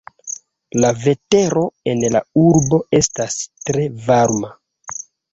La vetero en la urbo estas tre varma.